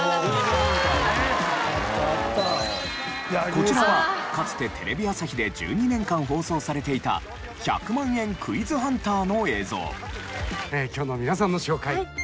こちらはかつてテレビ朝日で１２年間放送されていた『１００万円クイズハンター』の映像。